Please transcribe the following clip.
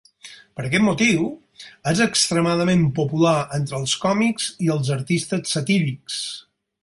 Per aquest motiu, és extremadament popular entre els còmics i els artistes satírics.